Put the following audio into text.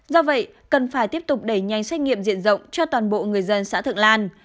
do vậy cần phải tiếp tục đẩy nhanh xét nghiệm diện rộng cho toàn bộ người dân xã thượng lan